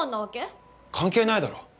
関係ないだろ。